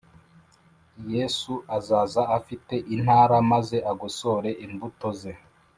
Yesu azaza afite intara maze agosore imbuto ze